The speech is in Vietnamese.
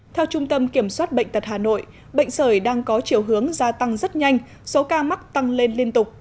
theo trung tâm kiểm soát bệnh tật hà nội bệnh sởi đang có chiều hướng gia tăng rất nhanh số ca mắc tăng lên liên tục